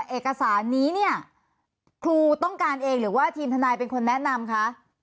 เอกสารนี้เนี่ยครูต้องการเองหรือว่าทีมทนายเป็นคนแนะนำคะ